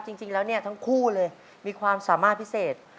จริงแล้วเนี่ยทั้งคู่เลยมีความสามารถพิเศษ